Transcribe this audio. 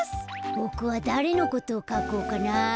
ボクはだれのことをかこうかな。